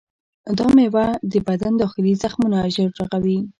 دا میوه د بدن داخلي زخمونه ژر رغوي.